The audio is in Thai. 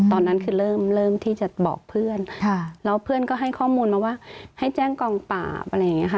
ตอนนั้นคือเริ่มที่จะบอกเพื่อนแล้วเพื่อนก็ให้ข้อมูลมาว่าให้แจ้งกองปราบอะไรอย่างนี้ค่ะ